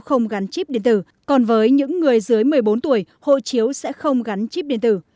không gắn chip điện tử còn với những người dưới một mươi bốn tuổi hộ chiếu sẽ không gắn chip điện tử